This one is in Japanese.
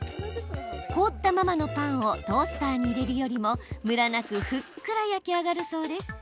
凍ったままのパンをトースターに入れるよりもムラなく、ふっくら焼き上がるそうです。